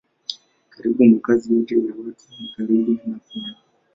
Karibu makazi yote ya watu ni karibu na pwani.